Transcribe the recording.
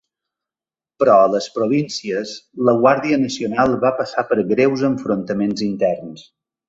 Però a les províncies, la Guàrdia Nacional va passar per greus enfrontaments interns.